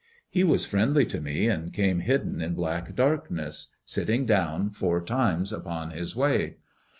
He was friendly to me and came hidden in black darkness, sitting down four times upon his way.